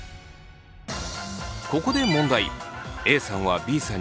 ここで問題。